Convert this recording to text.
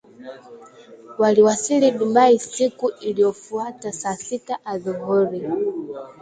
Waliwasili Dubai siku iliyofuata saa sita adhuhuri